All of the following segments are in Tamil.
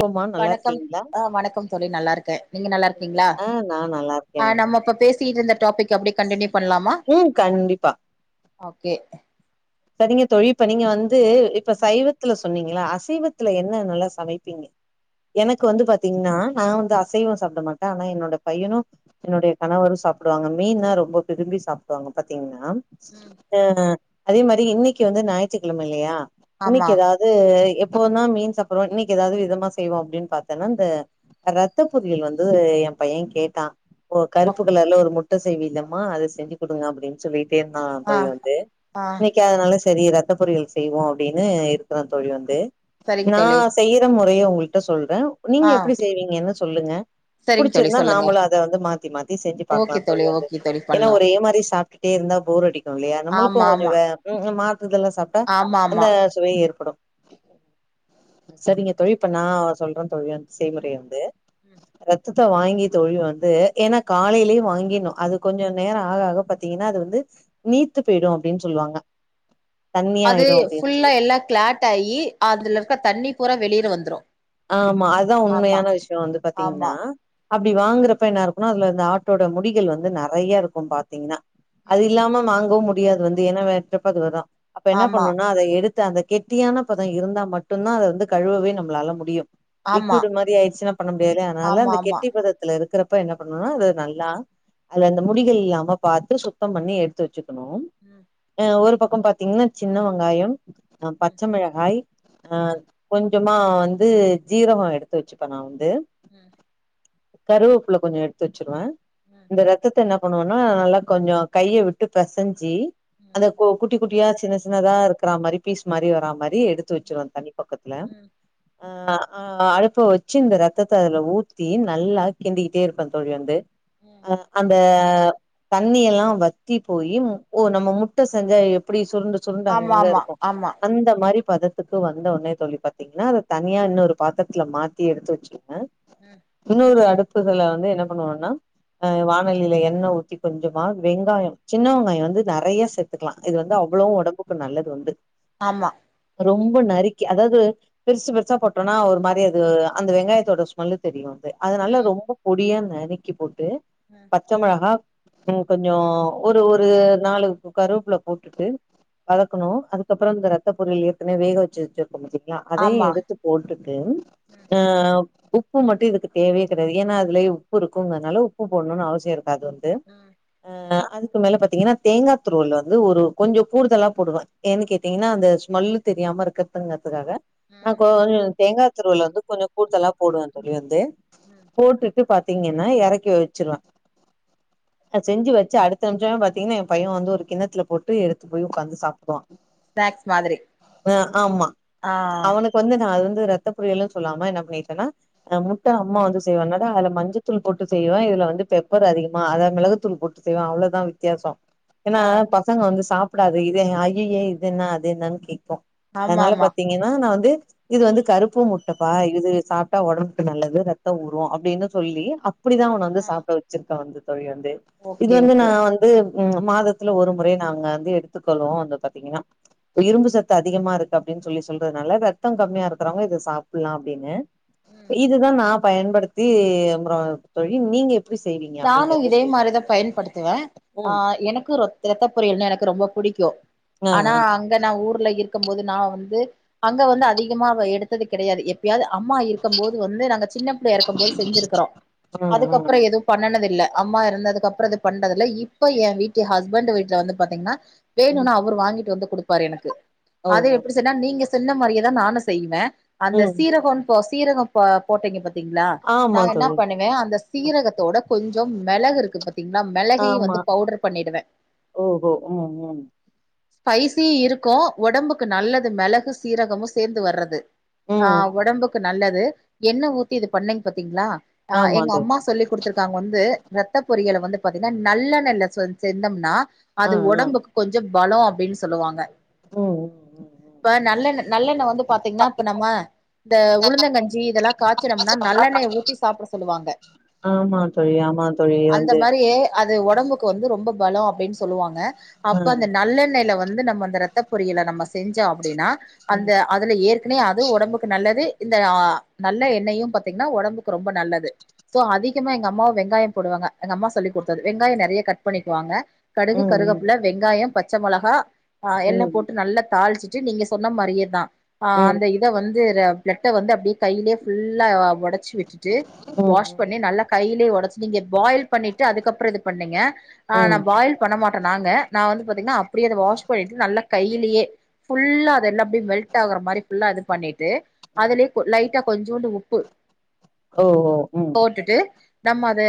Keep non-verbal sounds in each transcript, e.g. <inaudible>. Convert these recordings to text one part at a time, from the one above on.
போமா நல்லா வணக்கம் இருக்கீங்களா ஆ வணக்கம் தோழி நல்லாருக்கே நீங்க நல்லா இருக்கீங்ளா ஆ நா நல்லா இருக்கே அ நம்ம இப்ப பேஸ் சிட்ருந்த டாப்பிக் அப்டியே கண்டின்யூ பண்லாமா ம் கண்டிப்பா ஓகே சரிங்க தோழி இப்ப நீங்க வந்து இப்ப ம் சைவத்துல சொன்னீங்ள அசைவத்துல என்ன நல்லா சமைப்பீங்க எனக்கு வந்து பாத்திங்ன்னா நா வந்து அசைவோ சாப்ட மாட்டே ஆனா என்னோட பையனு என்னுடைய கணவரு சாப்டுவாங்க மீன்னா ரொம்ப விரும்பி சாப்டுவாங்க பாத்திங்ன்னா ம் அ ஹ அதே மாரி இன்னைக்கு வந்து ஞாயித்துக்கெழம இல்லையா ஆமா இன்னைக்கு எதாது து எப்போ தா மீன் சாப்புறோ இன்னைக்கு எதாவ்து விதமா செய்வோ அப்டின் பாத்தேனா இந்த ரத்த பொரியல் வந்து எ பைய கேட்டா ஒ கருப்பு ஓக் கலர்ல்ல ஒரு முட்ட செய்விலம்மா அத செஞ்சு குடுங்க அப்டின்னு சொல்லிட்டே இருந்தா ஆ அப்பவே வந்து ஆ கக்காதனால சரி ரத்த பொரியல் செய்வோ அப்டின்னு இருக்ற தோழி வந்து சரிங்க நா தோழி செய்யிற மொறைய உங்கள்ட்ட சொல்றே நீங்க ஆ எப்டி செய்வீங்கன்னு சொல்லுங்க சரிங்க தோழி புடிச்சிருந்தா சொல்லுங்க நாமளு அத வந்து மாத்தி மாத்தி செஞ்சு பாக்லா ஓகே தோழி வந்து ஓகே தோழி ஏனா பண்லா ஒரே மாரி சாப்டுட்டே இருந்தா போர் அடிக்கு இல்லையா நம்மளுக்கு ஆமா கொஞ்சோ ஆமா வே ம் ஹும் மாத்ததல்லா சாப்ட்டா ஆமா அந்த ஆமா சுவை ஏற்படு சரிங்க தோழி இப்ப நா சொல்ற தோழி செய்முறை ம் வந்து ம் ரத்தத்த வாங்கி தோழி வந்து ஏன்னா காலைலயே வாங்கினு அது கொஞ்சோ நேரோ ஆக ஆக பாத்திங்கன்னா அது வந்து நீத்து பொய்டு அப்டின் சொல்லுவாங்க அது தண்ணியாயிடு அப்டின்னு ஃபுல்லா சொல்லி எல்லா க்ளாட் ஆயி அதுல இருக்க தண்ணி பூரா வெளில வந்ரு ஆமா அதா உண்மையான விஷ்யோ வந்து ஆமா பாத்திங்ன்னா அப்டி வாங்குறப்ப என்ன இருக்குனா அதுல வந்து ஆட்டோட முடிகள் வந்து நறைய இருக்கு பாத்திங்ன்னா அது ம் இல்லாம வாங்கவு முடியாது வந்து ஏனா வெட்றப்ப அதுவதா அப்ப என்ன ஆமா பண்ணுனா அத எடுத் <unintelligible> அந்த கெட்டியான பதோ இருந்தா மட்டுதா அத வந்து கழுவவே நம்ளால முடியு ஆமா லிக்வியூட் மாரி ஆயிடுச்சுனா பண்ண முடியாது இல்லையா அதனால ஆமா அந்த ஆமா கெட்டி பதத்துல இருக்ற அப்ப என்ன பண்ணணுனா அது நல்லா அதுல அந்த முடிகள் இல்லாம பாத்து சுத்தம் பண்ணி எடுத்து வச்சுக்கணு ம் அ ஒரு பக்கோ பாத்திங்ன்னா சின்ன வெங்காயம் அ ம் பச்சமிளகாய் அ ம் கொஞ்சமா வந்து ஜீரகம் எடுத்து வச்சுப்பே நா வந்து ம் கருவப்புல கொஞ்சோ எடுத்து வச்சிருவே ம் இந்த ரத்தத்த என்னப் பண்ணுவன்னா நல்லா கொஞ்சோ கைய விட்டு பெசஞ்சி அத கு கு குட்டி குட்டியா சின்ன சின்னதா இருக்கற மாரி பீஸ் மாரி வரா மாரி எடுத்து ம் வச்சிருவோ தனி பக்கத்துல ம் ம் ஆ ஆ அடுப்ப வச்சி இந்த ரத்தத்த அதுல ஊத்தி நல்லா கின்டிக்கிட்டே இருப்பே தோழி வந்து ம் அ அந்த தண்ணி எல்லா வத்தி போயி ஓ நம்ம முட்டை செஞ்சா எப்டி சுருண்டு சுருண்டு ஆமா அங்கங்க இருக்கூ ஆமா அந்த மாரி பதத்துக்கு வந்த ஒன்னே தோழி பாத்தீங்கன்னா தனியா இன்னொரு பாத்துரத்துல மாத்தி எடுத்து வச்சுர்ந்தே அ இன்னொரு அடுப்புகல வந்து என்ன பண்ணுவன்னா அ வானலில எண்ணெய் ஊத்தி கொஞ்சமா வெங்காயோ சின்ன வெங்காயோ வந்து நறைய சேத் துக்லா இது வந்து அவ்ளோ ஒடம்புக்கு நல்லது வந்து ஆமா ரொம்ப நறுக்கி அதாது பெருசு பெருசா போட்டோனா ஒரு மாரி அது அந்த வெங்காயத்தோட ஸ் நல்லு தெரியு அதுஅதனால ம் ரொம்ப பொடியா நரிக்கி போட்டு ம் பச்சை மொளகா உ கொஞ்சோ ஒரு ஒரு நாலு கருவப்புல போட்டுட்டு வத்க்கணு அதுக்கப்புறோ இந்த ரத்த பொரியல் ஏற்கனவே வேக வச்சு வச்சிருக்க பாத்தீங்ளா அதையு ஆமா எடுத் எடுத்துப் போட்டுட்டு ம் ம் ஆமா ம் ஆ உப்பு மட்டு இதுக்கு தேவே கெடையாது ஏன்னா அதுலய உப்பு இருக்குங்கனால உப்பு போட்ணுனு அவசியோ இருக்காது து ம் ஆ அதுக்கு மேல பாத்தீங்கன்னா தேங்காய் துருவள் வந்து ஒரு கொஞ்சோ கூடுதலா போடுவ ஏன்னு கேட்டீங்கன்னா அந்த ஸ்மெல்லு தெரியாம இருக்கிறதுங்கிறதுக்காக ஆ ம் கொஞ்சொ தேங்கா துருவல் வந்து கொஞ்சோ கூடுதலா போடுவே தோழி வந்து அ போட்டுட்டு பா்த்தீங்கன்னா எறக்கி வச்சிருவ அ செஞ்சு வச்சு அடுத்த நிமிஷோ பாத்தீங்கன்னா எ பையன் வந்து ஒரு கின்னத்துல போட்டு எடுத்து போய் உக்காந்து சாப் ஸ்நாக்ஸ் மாதிரி ஆ எனக்கு வந்து நா அது வந்து ரத்த பொரியல்ன்னு சொல்லாம என்ன பண்ணிட்டேனா அ முட்ட அம்மா வந்து செய்வல்லடா அதுல மஞ்சள்த்தூள் போட்டு செய்வே இதுல வந்து பெப்பர் அதிகமா அத மிளகுத்தூள் போட் செய்வே அவ்ளதா வித்யாசோ ஏன்னா ஆ பசங்க வந்து சாப்டாது இது ஐய்யயே இது என்ன அது என்னன் கேக்கு ஆமா அதனால ஆமா பாத்தீங்கன்னா நா வந்து இது வந்து கருப்பு முட்டப்பா இது சாப்ட்டா ஒடம்புக்கு நல்லது ரத்த ஊரு அப்டின்னு சொல்லி அப்டிதா அவன வந்து ஆ சாப்பிட வச்சிருக்க வந்து தோழி வந்து இது ஓகே வந்து நா ஓகே வந்து து ம் மாதத்துல ஒரு முறை நாங்க வந்து எடுத்துக்கொள்ளுவோ வந்து பாத்தீங்கன்னா இரும்பு சத்து அதிகமா இருக்கு அப்டின் சொல்லி சொல்றதுனால ரத்தம் கம்மியா இருக்கிறவங்க இத சாப்புலா அப்டின்னு ம் இதுதா நா பயன்படுத் தி அப்றோ தோழி நீங்க எப் நானு இதே மாரிதா பயன்படுத்துவே ஆ ம் எனக்கு ரத் ரத்த பொரியல்னா எனக்கு ரொம்ப புடிக்கூ ஆ ஆனா ங்க நா ஊர்ல இருக்கம் போது நா வந்து அங்க வந்து அதிகமா எடுத்தது கெடையாது எப் பயாது அம்மா இருக்கம் போது வந்து நாங்க சின்ன பிள்ளையா இருக்கம் போது செஞ்சிருக்கிறோ ஆ ம் அதுக்கப்றோ ம் எது பன்னது இல்ல அம்மா எறந்ததுக்கு அப்புறோ இது பண்றது இல்ல இப்ப ஏன் வீட்டு ஹஸ்பண்ட் வீட்ல வந்து பாத்தீங்கன்னா ம் வேணுனா அவுர் வாங்கிட்டு வந்து குடுப்பாரு எனக்கு அத ஓஹோ எப் ச்சனா நீங்க சொன்ன மாரியேதா நானு செய்வே அந்த ம் சீரகோ சீரகம் இப்போ போட்டீங்க பாத்தீங்களா நா ஆமா என்ன தோழி பண்ணுவே அந்த சீரகத்தோட கொஞ்சோ மிளகு இருக்கு பாத்தீங்கன்னா மிளகையு ஆமா வந்து பவுடர் பண்ணிடுவே ஓஹோ ம் ம் ஸ்பைசி இருக்கு உடம்புக்கு நல்லது மிளகு சீரகமு சேந்து வரது ம் ஆ ம். உடம்புக்கு நல்லது என்ன ஊத்தி இது பண்ணீங்க பாத்தீங்களா ஆ ஆமா எங்க தோழி அம்மா சொல்லிக் குடுத்துருக்காங்க வந்து ரத்த பொரியல்ல வந்து பாத்தீங்கன்னா நல்லெண்ணல செந்தோம்னா ஆ அது ஆ உடம்புக்கு கொஞ்சோ பலோ அப்டின்னு சொல்லுவாங்க ம் ம் ம் இப்ப நல்லெண்ண நல்லெண்ண வந்து பாத்தீங்கன்னா இப்ப நம்ம இந்த உளுந்தங்கஞ்சி இதெல்லா ம். காச்சனோம்னா நல்லெண்ணய ஊத்தி சாப்ட சொல்லுவாங்க ஆமா தோழி ஆமா தோழி அந்த வந்து மாரியே அது ஒடம்புக்கு வந்து ரொம்ப பலோ அப்டின்னு சொல்லுவாங்க ஆ அப்ப அந்த நல்லெண்ணய்ல வந்து நம்ம அந்த ரத் த்த பொரியல நம்ம செஞ்சோ அப்டினா அந்த ம் அதுல ஏற்கனையே அது ஒடம்புக்கு நல்லது இந்த ஆ நல்ல எண்ணெயு பாத்தீங்கன்னா ஒடம்புக்கு ரொம்ப நல்லது சோ அதி கமா எங்க அம்மா வெங்காயோ போடுவாங்க எங்க அம்மா சொல்லி குடுத்தது வெங்காயோ நெறைய கட் பண்ணிக்குவாங்க கடுகு ம் கருகப்புல வெங்காயோ பச்ச மொளகா ஆ ம் எல்லா ம் போட்டு நல்லா தாளிச்சுட்டு நீங்க சொன்ன மாரியேதா ஆ ம் அந்த இத வந்து பிளட்ட வந்து அப்டியே கையிலயே ஃபுல்லா ஒடச்சு விட் டுட்டு ம் வாஷ் பண்ணி நல்லா கைலயே ஒடச்சு நீங்க பாயில் பண்ணிட்டு அதுக்கப்றோ இது பண்ணீங்க ஆ ம் ம் நா பாயில் பண்ண மாட்டே நாங்க நா வந்து பாத்தீங்கன்னா அப்டியே அத வாஷ் பண்ணிட்டு நல்லா கைலயே ஃபுல்லா அது எல்லா அப்டி மெல்ட்டா ஆகுற மாரி ஃபுல்லா இது பண்ணிட்டு ம் அதுலயே லைட்டா கொஞ்சோண்டு உப்பு ஓஹோ ம் போட்டுட்டு நம்ம அத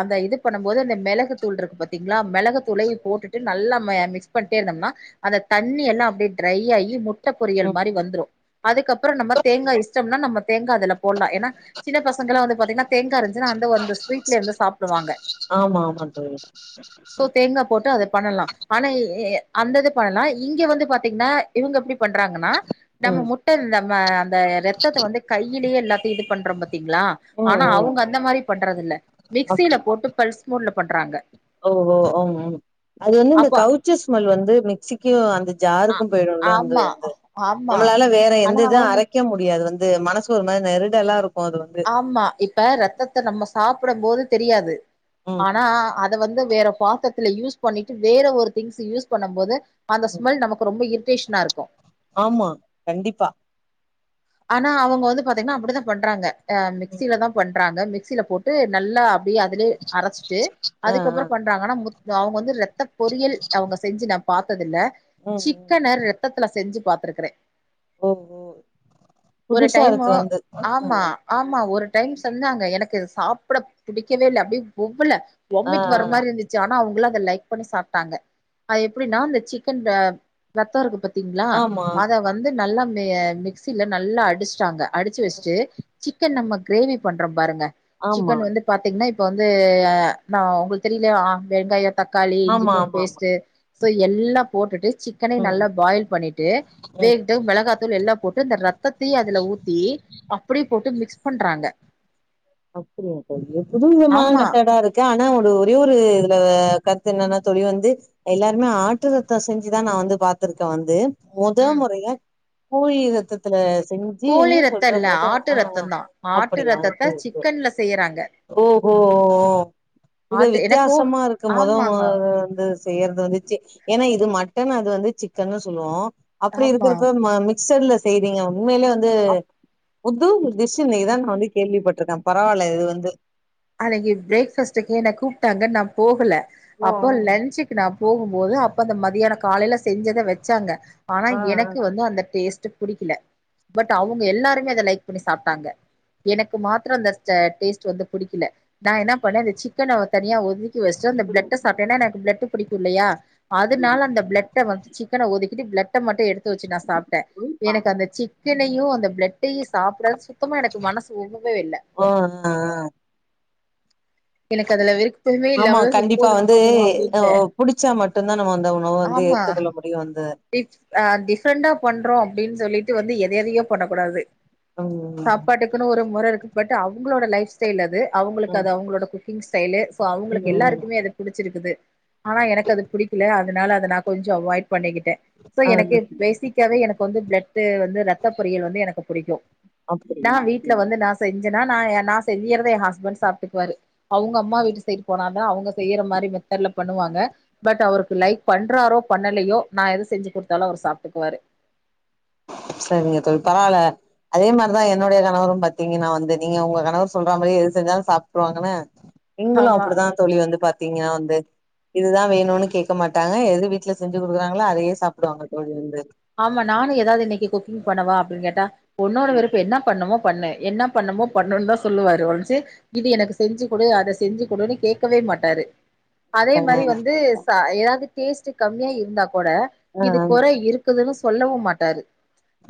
அந்த இது பண்ணு போது அந்த மெளகு தூள் இருக்கு பாத்தீங்களா மெளகு தூளயு போட்டுட்டு நல்லா ம மிக்ஸ் பண்ட்டே இருந்தோனா அந்த தண்ணி எல்லா அப்டியே ட்ரை ஆகி முட் முட்ட பொரியல் ம் மாரி ம் வந்துரு அதுக்கப்றோ நம்ம தேங்கா இஷ்டோம்னா நம்ம தேங்கா அதுல போட்லா ஏனா சின்ன பசங்களா வந்து பாத்தீங்கன்னா தேங்க இருன்ச்சுன்னா அந்த ஸ்வீட்ல இருந்து சாப்டுவாங்க ஆமா ஆமா தோழி சோ தேங்கா போட்டு அத பண்ணலா ஆனா அந்த இது பண்ணலா இங்க வந்து பாத்தீங்கன்னா இவுங்க எப்டி பண்றாங்கன்னா நம்ம ம் முட்ட நம்ம அந்த ரத்தத்த வந்து கைலயே எல்லாத்தயு இது பண்றோ பாத்தீங்களா ம் ஆனா ம் அவுங்க அந்த மாரி பண்றது இல்ல மிக்சியில போட்டு பல்ஸ் மூட்ல பண்றாங்க ஓஹோ ம் ம் அது வந்து இந்த அப்போ கவுச்சு ஸ்மெல் வந்து மிக்சிக்கு அந்த ஆ ஜாருக்கு போயிடும்ல வந்து ஆமா வந்து ஆமா நம்மளால வேற எந்த ஆனா இது அவங்க அரைக்க முடியாது வந்து மனசு ஒரு மாரி நெருடல்லா இருக்கு அது வந்து அம்மா இப்ப ரத்தத்த நம்ம சாப்படம் போது தெரியாது ம் ஆனா அத வந்து வேற பாத்தத்ல யூஸ் பண்ணிட்டு வேற ஒரு திங்ஸ யூஸ் பண்ணும்போது அந்த ம் ஸ்மெல் நமக்கு ரொம்ப இரிட்டேஷனா இருக்கு ஆமா கண்டிப்பா ஆனா அவுங்க வந்து பாத்தீங்கனா அப்டிதா பண்றாங்க ஹ ம் மிக்சியிலதா பண்றாங்க மிக்சில போட்டு நல்லா அதுலயே அரச்சிட்டு ஆ ஆ அதுக்கப்றோ பண் றாங்கனா அவுங்க வந்து ரத்த பொரியல் அவுங்க செஞ்சு நா பாத்ததில்ல ம் சிக் ம் சிக்கன ரத்தத்துல செஞ்சு பாத்திருக்குறே ஓஹோ ஒரு புதுசா டைமு இருக்கு வந்து ஆமா ம் ஆமா ஒரு டைம் செஞ்சாங்க எனக்கு சாப்ட பிடிக்கவே இல்ல அப்டியே ஒவ்வல ஆ ஆ வொம்மிட் வர மாரி இருந்துச்சு ஜானா அவங்களா அத லைக் பண்ணி சாப்டாங்க அ எப்டின்னா அந்த சிக்கன் அ ரத்தோ இருக்கு பாத் திங்களா ஆமா அத வந்து நல்லா மெ மிக்சில நல்லா அடிஸ்ட்டாங்க அடிச்சு வஸ்ட்டு சிக்கன் நம்ம கிரேவி பண்றோ பாருங்க ஆமா சிக்கன் வந்து பாத்தீங்கன்னா இப்ப வந்து நா உங்ளுக்கு தெரியலய அ வெங்காயம் தக்காளி ஆமா இஞ்சிப்பூண்டு ஆமா ஆமா பேஸ்ட்டு சோ எல்லா போட்டுட்டு சிக் சிக்கனயு ம் நல்லா பாயில் பண்ணிட்டு ம் வேட்டு மெளகாத்தூள் எல்லா போட்டு <unintelligible> இந்த ரத்தத்தயு அதுல ஊத்தி அப்டியே போட்டு மிக்ஸ் பண்றாங்க அப்டியா தோழி புது விதமான ஆமா மெத்தடா இருக்கு <unintelligible> ஆனா ஒரு ஒரே ஒரு இதுல கருத்து என்னன்னா தொழி வந்து எல்லாருமே ஆட்டு ரத்தோ செஞ்சுதா நா வந்து பாத்திருக்கே வந்து மொத ம் மொறையா கோழி ரத்தத்துல செஞ் கோழி ரத்த இல்ல ஆட்டு ரத்தந்தா ஆட்டு அப்படியா ரத்தத்த சேரி சேரி சிக்கன்ல செய்யறாங்க ஓஹோ ஓ இது ஆட்டு எனக்கு வித்யாசமா இருக்கு மொத மொ ஆமாங்க வந்து செய்யறது வந்துச்சு ஏன்னா இது மட்டன் அது வந்து சிக்கன்னு சொல்லுவோ அப்டி ஆமா இருக்கிறப்ப ம மிக்சர்ல செய்றீங்க உண்மைலயே வந்து அப் புது டிஷ் இன்னிக்கு தா நா வந்து கேள்விப்பட்டிருக்கே பரவால்ல இது வந்து அனைக்கி பிரேக் பாஸ்ட்டுக்கு என்ன கூப்ட்டாங்க நா போகல ஓ அப்போ லன்ச்சுகு நா போகும்போது அப்ப அந்த மதியான காலையல செஞ்சத வெச்சாங்க ஆனா ஆ ஆ எனக்கு வந்து அந்த டேஸ்ட் புடிக்கல பட் அவங்க எல்லாருமே அத லைக் பண்ணி சாப்ட்டாங்க எனக்கு மாத்ரோ அந்த <unintelligible> டேஸ்ட் வந்து புடிக்கல நா என்ன பண்ண அந்த சிக்கன தனியா ஒதுக்கி வஸ்டு அந்த பிலட்ட சாப்ட் ஏன எனக்கு பிளட் பிடிக்குல்லையா ஆமா அதனால அந்த பிளட் வந்து சிக்கன ஒதிக்கிட்டு பிளட்ட மட்டு எடுத்து வச்சு நா சாப் ட புளிப்பா எனக்கு அந்த சிக்கனையு அந்த பிளட்டையு சாப்பட சுத்தமா எனக்கு மனசு ஒவ்வவே இல்ல போ னா எனக்கு அதுல விருப்பமே ஆமா இல்லாமதா கண்டிப்பா போது வந்து போது அ அப்டின்ட்டு புடிச்சா மட்டு தா நம்ம அந்த உணவ வந்து ஆமா எத்துகொள்ள முடியு <unintelligible> வந்து டிஃப்ரெண்டா பண்றோ அப்டின் சொல்லிட்டு வந்து எத எதயோ பண்ணக்கூடாது ம் சாப்பாட்டுக்குன்னு ஒரு மொறை இருக்கு பட் அவங்களோட லைஃப் ஸ்டைல் அது அவங்ளுக்கு ம் அது அவங்களோட குக் கிங் ஸ்டைலு சோ அவங்களுக்கு ம் எல்லாருக்குமே அது பிடிச்சிருக்குது ஆனா எனக்கு அது புடிக்கல அதனால அத நா கொஞ்சோ அவாய்ட் பண்ணிக்கிட்டே சோ ஆ எனக்கு பேசிக்காவே எனக்கு வந்து பிளட் வந்து ரத்த பொரியல் வந்து எனக்கு புடிக்கோ நா அப்டியா வீட்டு்ல வந்து நா செஞ்ஜன்னா நா நா செய்யறத என் ஹஸ்பண்ட் சாப்ட்டுக்குவாரு அவங்க அம்மா வீட்டு சைட்டு போனாதா அவங்க செய்யற மாரி மெத்தட்ல பண்ணுவாங்க பட் அவருக்கு லைக் பண்றாரோ பண்ணலையோ நா எது செஞ்சு குடுத்தாலு அவர் சாப்ட்டுக்குவாரு சரிங்க தோழி பரவால்ல அதே மாரி தா என்னனுடைய கணவரும் பாத்தீங்கன்னா வந்து நீங்க உங்க கணவர் சொல்ற மாரி எது செஞ்சாலு சாப்ட்ருவாங்க <unintelligible> இவங்களு ஆமா அப்டிதா தொழி வந்து பாத்தீங்க வந்து இதுதா வேணுன்னு கேட்க மாட்டாங்க எது வீட்டுல செஞ்சு குடுக்குறாங்ளோ அதயே சாப்பிடுவாங்க தோழி வந்து ஆமா நானு ஏதாது இன்னிக்கி குக்கிங் பண்ணவா அப்டின்னு கேட்டா ஒன்னொரு விறுப்பு என்ன பண்ணமோ பன்னு என்ன பன்னமோ பன்னுன் தா சொல்லுவாரு ஒன்சிக் இது எனக்கு செஞ்சு குடு அத செஞ்சு குடுன்னு கேக்கவே மாட்டாரு அதே ஆ மாரி வந்து ஏதாவ்து டேஸ்ட் கம்மியா இருந்தா கூட ஆ இது குறை இருக் நல்லாஇருக்குதுன்னு சொல்லவு மாட்டாரு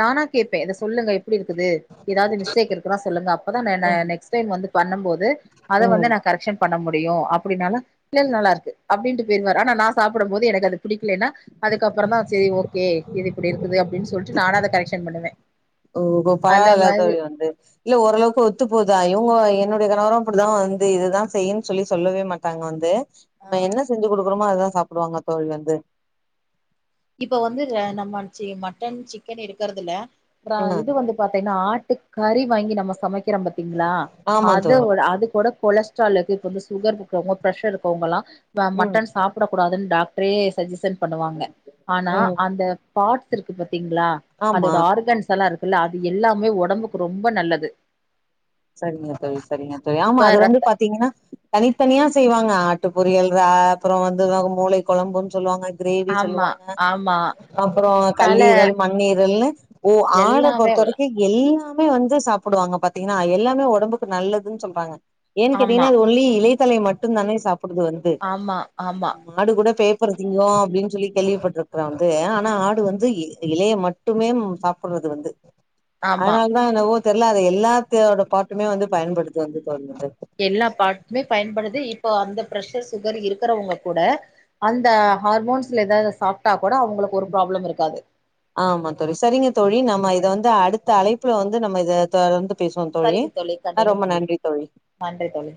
நானா கேப்பே இத சொல்லுங்க எப்டி இருக்குது ஏதாது மிஸ்டேக் இருக்குன்னா சொல்லுங்க அப்பதா நா ஆ நெக்ஸ்ட் டைம் வந்து பண்னு போது அத ம் வந்து நா கரெக்க்ஷன் பன்ன முடியு அப்டீன்னாலோ ல்ல நல்லா இருக்கு அப்படீன்ட்டு போய்ர்வாரு ஆனா நா சாப்புடும் போது எனக்கு அது பிடிக்லன்னா அதுக்கப்ரமா செரி ஓகே இது இப்டி இருக்குது அப்டின்னு சொல்லிட்டு நானே அத கரெக்ஷன் பண்ணுவே ஓஹோ அந்த பரவால்ல மாதிரி தோழி வந்து இல்ல ஓரளவுக்கு ஒத்து போதா இவுங்க என்னுடைய கணவரோ அப்புடிதா வந்து இதுதா செய்யு சொல்லி சொல்லவே மாட்டாங்க வந்து ஆ நம்ம என்ன செஞ்சு குடுக்குறோமோ அதுதா சாப்புடுவாங்க தோழி வந்து இப்ப வந்து நம்ம சி மட்டன் சிக்கன் எடுக்குறதுல்ல அப்றோ ம் இது வந்து பாத்தீங்னா ஆட்டு கறி வாங்கி நம்ம சமைக்கிறோ பத்தீங்களா ஆமா அத தோழி அது கூட கொலஸ்ட்டாலுக்கு இப்ப வந்து சுகர் இருக்குவங்க ப்ரெஷர் இருக்கவங்கல்லா ம ம் மட்டன் சாப்ட கூடாதுன்னு டாக்டரே சஜசன் பண்ணுவாங்க ஆனா ம் அந்த பார்ட்ஸ் இருக்கு பாத்தீங்களா ஆமா அதுஆர்கன்ஸ்லா இருக்குல்ல அது எல்லாமே ஒடம்புக்கு ரொம்ப நல்லது செரிங்க தோழி செரிங்க தோழி ஆமா இப்ப அது வந்து ரத்த பாத்தீங்கன்னா தனித்தனியா செய்வாங்க ஆட்டு பொரியல் அ அப்புறோ வந்து மூளை கொலம்புன்னு சொல்வாங்க கிரேவி ஆமா சொல்லுவாங்க ஆமா அப்புறோ தல கல்லீரல் மண்ணீரல்னு ஓ ஆட எல்லாமே பொறுத்த வல வரிக்கி எல்லாமே வந்து சாப்டுவாங்க பாத்தீங்கன்னா எல்லாமே ஒடம்புக்கு நல்லதுன்னு சொல்றாங்க ஏ ஆமா கேட்டீங்னா அது ஒன்லி இலைத்தலை மட்டுந் தானே சாப்டுது வந் ஆமா ஆமா ஆடு கூட பேப்பறதீங்கோ அப்டீன்னு சொல்லி கேள்விப்பட்டிருக்குற வந்து ஆனா ஆடு வந்து இலைய மட் மட்டுமே சாப்புடுறது வந்து ஆமா அதனால தானவோ தெர்ல அத எல்லாத்தோட பார்ட்டுமே வந்து பயன்படுத்து வந்து தது எல்லா பார்ட்டுமே பயன்படுது இப்போ அந்த ப்ரஷர் சுகர் இருக்கறவுங்க கூட அந்த ஹார்மோன்ஸ்ல ஏதாதுசப்ட்டா கூட அவங்குளுக்கு ஒரு ப்ராப்ளம் இருக்காது ஆமா தோழி சரிங்க தோழி நம்ம இத வந்து அடுத்த அழைப்புல வந்து நம்ம இத வந்து தொடர்ந்து பேசுவோ தோழி சரிங்க கண்டினியூ ரொம்ப பண்லா நன்றி தோழி நன்றி தோழி